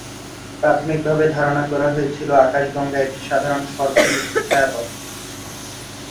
প্রাথমিকভাবে ধারণা করা হয়েছিল আকাশগঙ্গা একটি সাধারণ সর্পিল ছায়াপথ।